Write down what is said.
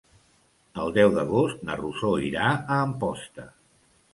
El deu d'agost na Rosó irà a Amposta.